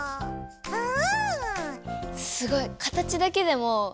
うん！